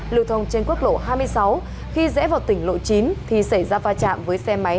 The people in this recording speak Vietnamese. lưu thông trên quốc lộ hai mươi sáu khi rẽ vào tỉnh lộ chín thì xảy ra va chạm với xe máy